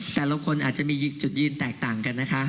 แต่ละคนอาจจะมีจุดยืนแตกต่างกันนะคะ